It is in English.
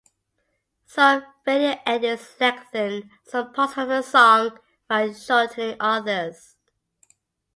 Some radio edits lengthen some parts of the song while shortening others.